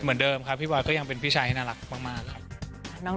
เหมือนเดิมครับพี่บอยก็ยังเป็นพี่ชายที่น่ารักมากครับ